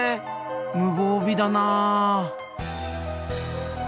無防備だなあ。